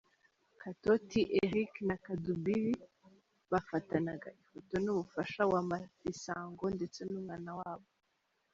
Katauti, Eric na Kadubiri bafatanaga ifoto n'umufasha wa Mafisango ndetse n'umwana wabo .